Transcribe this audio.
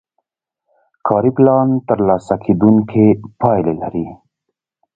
کاري پلان ترلاسه کیدونکې پایلې لري.